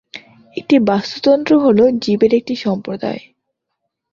একটি বাস্তুতন্ত্র হল জীবের একটি সম্প্রদায়।